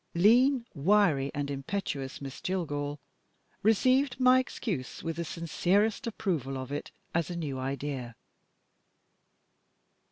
Lean, wiry, and impetuous, Miss Jillgall received my excuse with the sincerest approval of it, as a new idea.